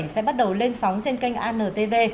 sẽ bắt đầu lên sóng trên kênh antv